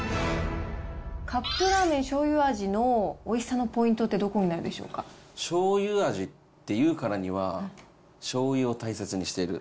カップラーメンしょうゆ味のおいしさのポイントってどこになしょうゆ味っていうからには、しょうゆを大切にしている。